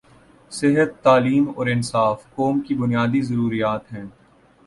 صحت، تعلیم اور انصاف قوم کی بنیادی ضروریات ہیں۔